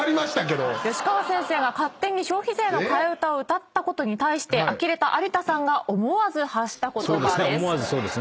吉川先生が勝手に消費税の替え歌を歌ったことに対してあきれた有田さんが思わず発した言葉です。